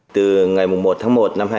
từ ngày một tháng một năm hai nghìn